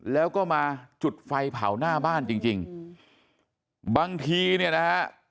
แล้วก็มาจุดไฟเผาหน้าบ้านจริงจริงบางทีเนี่ยนะฮะ